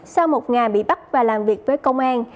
sau một ngày bị bắt và làm việc với công an